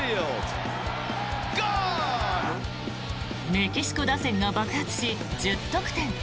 メキシコ打線が爆発し１０得点。